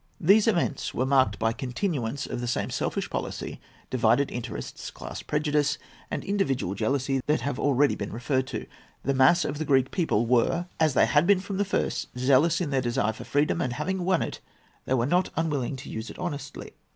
These events were marked by continuance of the same selfish policy, divided interests, class prejudice, and individual jealousy that have been already referred to. The mass of the Greek people were, as they had been from the first, zealous in their desire for freedom, and, having won it, they were not unwilling to use it honestly.